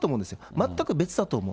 全く別だと思う。